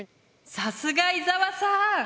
さすが伊沢さん！